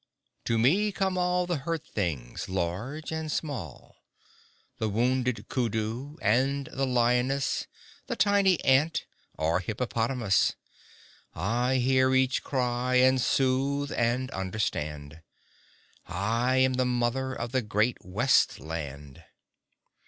To me come all the hurt things large and small. The wounded Kudu, And the Lioness, The tiny Ant, Or Hippopotamus! I hear each cry, and soothe and understand. I am the Mother of the great West Land."